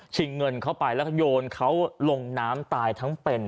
เงินเข้าไปแล้วก็โยนเขาลงน้ำตายทั้งเป็น